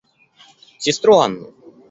Сестру Анну.